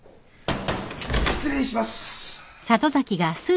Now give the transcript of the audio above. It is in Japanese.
・・失礼します。